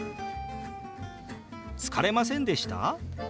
「疲れませんでした？」。